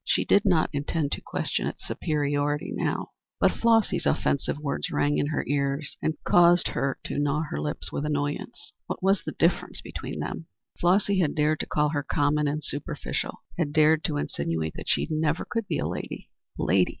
She did not intend to question its superiority now; but Flossy's offensive words rang in her ears and caused her to gnaw her lips with annoyance. What was the difference between them? Flossy had dared to call her common and superficial; had dared to insinuate that she never could be a lady. A lady?